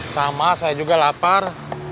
sama saya juga lapar